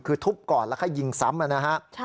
คือทุบก่อนแล้วแค่ยิงซ้ำนะฮะ